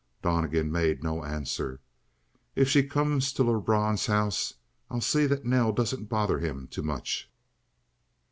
Donnegan made no answer. "If she comes to Lebrun's house, I'll see that Nell doesn't bother him too much."